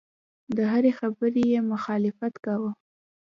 د هرې خبرې یې مخالفت کاوه.